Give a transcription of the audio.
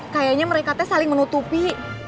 kayaknya mereka saling menutupi